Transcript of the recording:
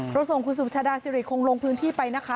ส่งคุณสุชาดาสิริคงลงพื้นที่ไปนะคะ